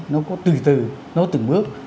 nó có từ từ nó từng bước